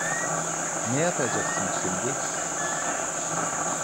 Ne yapacaksın şimdi?